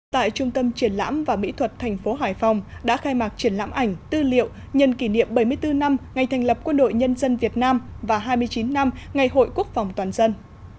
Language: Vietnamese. tại trung tâm triển lãm và mỹ thuật thành phố hải phòng đã khai mạc triển lãm ảnh tư liệu nhân kỷ niệm bảy mươi bốn năm ngày thành lập quân đội nhân dân việt nam và hai mươi chín năm ngày hội quốc phòng toàn dân